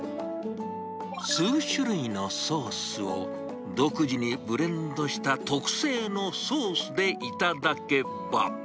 数種類のソースを独自にブレンドした特製のソースで頂けば。